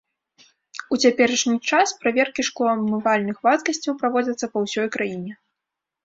У цяперашні час праверкі шклоабмывальных вадкасцяў праводзяцца па ўсёй краіне.